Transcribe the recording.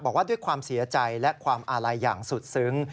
บอกว่าด้วยความเสียใจและความอาลัยอย่างสุดซึ้ง